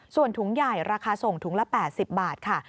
ส่วนถุงใหญ่ราคาส่งถุงละ๘๐บาทค่ะ